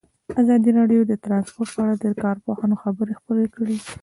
ازادي راډیو د ترانسپورټ په اړه د کارپوهانو خبرې خپرې کړي.